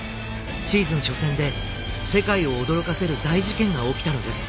シーズン初戦で世界を驚かせる大事件が起きたのです。